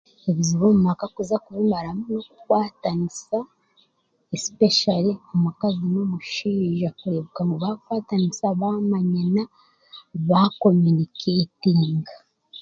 Obuzibu omu maka kuza kubumaramu n'okukwatanisa especially omukazi n'omushaija kureebeka ngu baakwataniisa baamanyana baacomunicatinga